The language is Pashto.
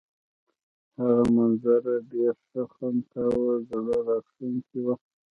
هغه منظره ډېر ښه خوند کاوه، زړه راښکونکې وه.